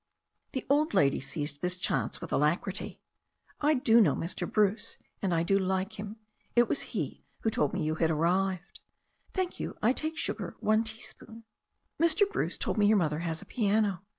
The old lady seized this chance with alacrity. 32 THE STORY OF A NEW ZEALAND RIVEHT "I do know Mr. Bruce, and I do like him. It was he who told me you had arrived. Thank you, I take sugar, one teaspoon. Mr. Bruce told me your mother has a piano.